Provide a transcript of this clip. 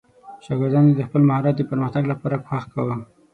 شاګردانو د خپل مهارت د پرمختګ لپاره کوښښ کاوه.